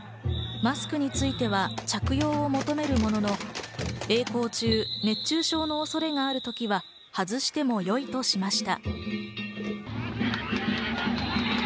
マスクについては着用を求めるものの、曳行中、熱中症の恐れがある時は外してもよいとしました。